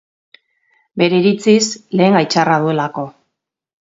Bere iritziz, lehengai txarra duelako.